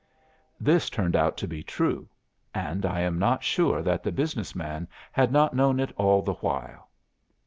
'" "This turned out to be true. And I am not sure that the business man had not known it all the while.